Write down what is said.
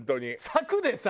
柵でさ。